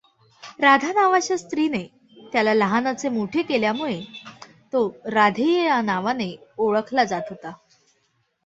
राधा नावाच्या स्त्रीने त्याला लहानाचे मोठे केल्यामुळे तो राधेय ह्या नावाने ओळखला जात होता.